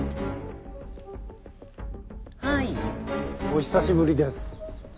お久しぶりです。